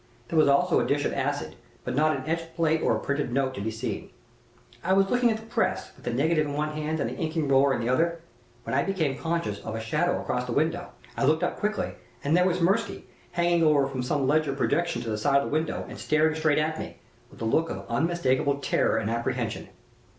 There was also a dish of acid, but not an etched plate or a printed note to be seen. I was looking at the press, with the negative in one hand and the inking roller in the other, when I became conscious of a shadow across the window. I looked up quickly, and there was Mirsky hanging over from some ledge or projection to the side of the window, and staring straight at me, with a look of unmistakable terror and apprehension.